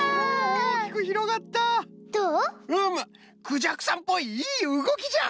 クジャクさんっぽいいいうごきじゃ！